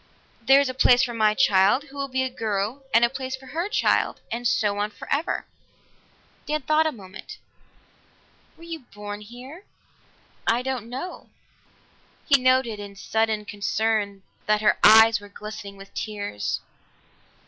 There is a place for my child, who will be a girl, and a place for her child and so on forever." Dan thought a moment. "Were you born here?" "I don't know." He noted in sudden concern that her eyes were glistening with tears.